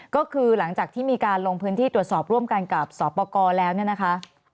ก็คือหลังจากที่มีการลงพื้นที่ตรวจสอบร่วมกันกับสอปกรแล้วเนี่ยนะคะ